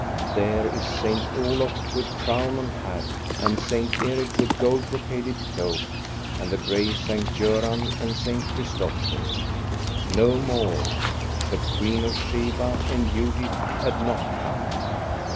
There is Saint Olof, with crown on hat, and Saint Erik, with gold brocaded cloak, and the gray Saint Goran and Saint Chris topher; no more; the Queen of Sheba and Judith had not come.